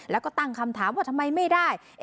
แล้วก็ตั้งคำถามว่าทำไมไม่ได้